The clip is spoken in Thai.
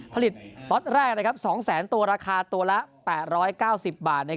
ผลิตล็อตแรก๒๐๐๐ตัวราคาตัวละ๘๙๐บาท